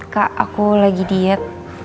kak aku lagi diet